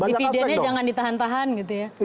di pidanya jangan ditahan tahan gitu ya